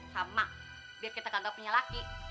sama biar kita kagak punya lagi